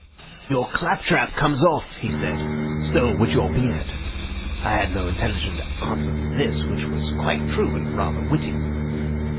'Your claptrap comes off,' he said; 'so would your beard.' I had no intelligent answer to this, which was quite true and rather witty.